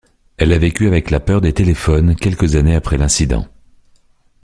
Elle a vécu avec la peur des téléphones quelques années après l'incident.